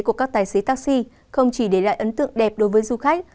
của các tài xế taxi không chỉ để lại ấn tượng đẹp đối với du khách